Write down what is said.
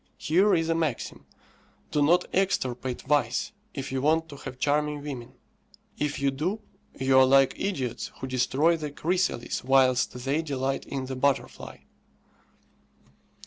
Here is a maxim: Do not extirpate vice, if you want to have charming women; if you do you are like idiots who destroy the chrysalis whilst they delight in the butterfly.